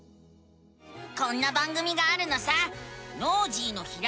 こんな番組があるのさ！